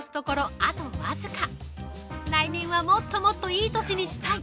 あと僅か来年はもっともっといい年にしたい！